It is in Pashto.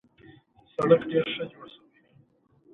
د ماشومانو ساتنه د ټولنې مسؤلیت دی.